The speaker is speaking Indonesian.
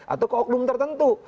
atau ke oknum tertentu